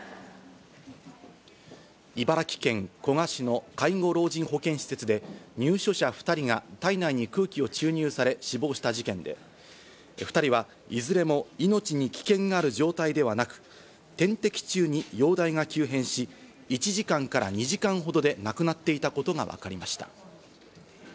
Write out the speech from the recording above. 茨城県古河市の介護老人保健施設で入所者２人が体内に空気を注入され死亡した事件で、２人はいずれも命に危険がある状態ではなく、点滴中に容体が急変し、１時間から２時間ほどで亡くなっていたことがわかりました。